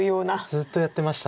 ずっとやってました。